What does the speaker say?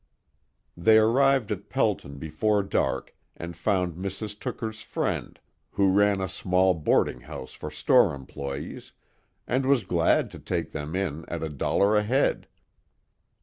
They arrived at Pelton before dark and found Mrs. Tooker's friend, who ran a small boarding house for store employees, and was glad to take them in at a dollar a head.